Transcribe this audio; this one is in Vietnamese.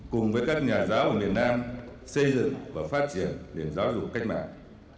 cùng với các nhà giáo ở miền nam xây dựng và phát triển nền giáo dục cách mạng